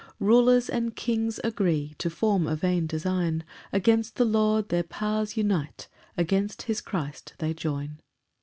4 Rulers and kings agree To form a vain design; Against the Lord their powers unite, Against his Christ they join.